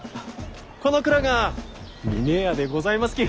この蔵が峰屋でございますき。